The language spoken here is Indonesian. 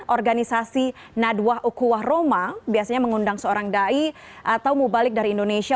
organisasi naduah ukuhah roma biasanya mengundang seorang da'i atau mubalik dari indonesia